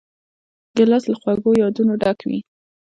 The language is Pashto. ګیلاس له خوږو یادونو ډک وي.